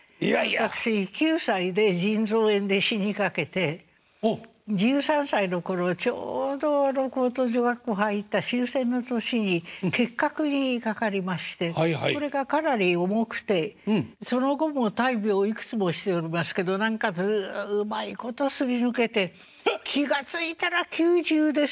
私９歳で腎臓炎で死にかけて１３歳の頃ちょうど高等女学校入った終戦の年に結核にかかりましてこれがかなり重くてその後も大病いくつもしておりますけど何かうまいことすり抜けて気が付いたら９０ですよ。